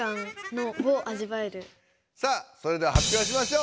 さあそれでははっぴょうしましょう。